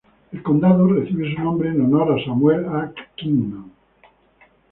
El condado recibe su nombre en honor a Samuel A. Kingman.